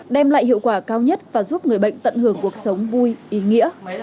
đem lại hiệu quả cao nhất và giúp người bệnh tận hưởng cuộc sống vui ý nghĩa